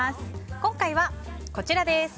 今回はこちらです。